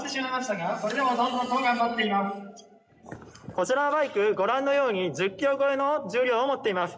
こちらのバイクご覧のように１０ｋｇ超えの重量を持っています。